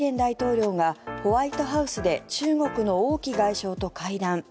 ２７日アメリカのバイデン大統領がホワイトハウスで中国の王毅外相と会談。